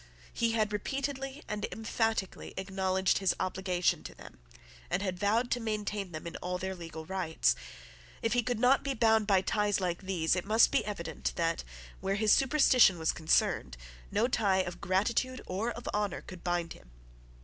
He had repeatedly and emphatically acknowledged his obligation to them, and had vowed to maintain them in all their legal rights. If he could not be bound by ties like these, it must be evident that, where his superstition was concerned, no tie of gratitude or of honour could bind him.